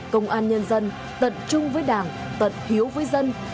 công an nhân dân tận trung với đảng tận hiếu với dân